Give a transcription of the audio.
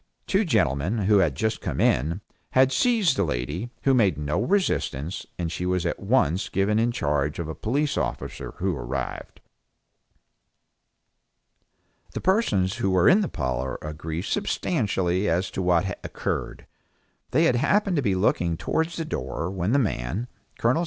Two gentlemen, who had just come in, had seized the lady, who made no resistance, and she was at once given in charge of a police officer who arrived. The persons who were in the parlor agree substantially as to what occurred. They had happened to be looking towards the door when the man Col.